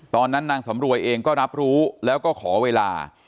นางสำรวยเองก็รับรู้แล้วก็ขอเวลา